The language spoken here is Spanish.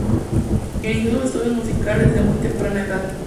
Inició sus estudios musicales desde muy temprana edad.